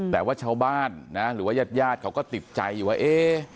แต่ว่าชาวบ้านนะหรือว่ายาดเขาก็ติดใจอยู่ว่า